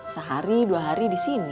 sehari dua hari disini